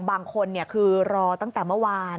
บางคนคือรอตั้งแต่เมื่อวาน